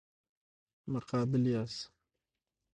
مقابل یاست.